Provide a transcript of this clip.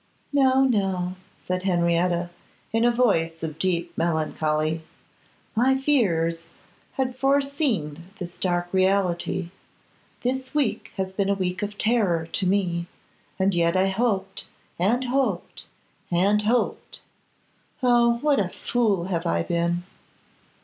'No, no,' said Henrietta, in a voice of deep melancholy; 'my fears had foreseen this dark reality. This week has been a week of terror to me; and yet I hoped, and hoped, and hoped. Oh! what a fool have I been.